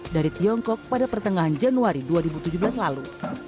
dari tiongkok pada pertengahan januari dua ribu tujuh belas lalu